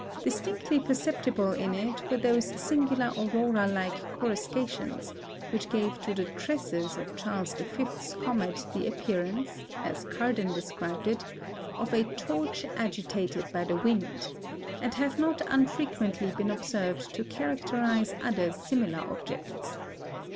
Distinctly perceptible in it were those singular aurora like coruscations which gave to the "tresses" of Charles V.'s comet the appearance as Cardan described it of "a torch agitated by the wind," and have not unfrequently been observed to characterise other similar objects.